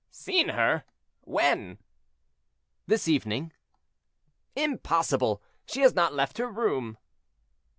"Seen her! when?" "This evening." "Impossible; she has not left her room."